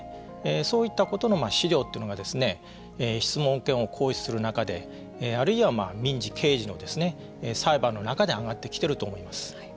そういったことの資料というのが質問権を行使する中であるいは、民事、刑事の裁判の中で上がってきていると思います。